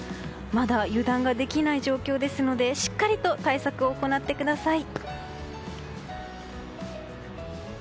まだ油断ができない状況ですのでしっかりと対策を行ってください。